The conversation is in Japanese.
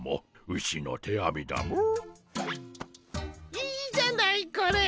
いいじゃないこれ。